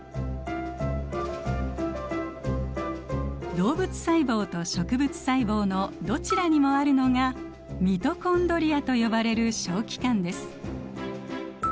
動物細胞と植物細胞のどちらにもあるのがミトコンドリアと呼ばれる小器官です。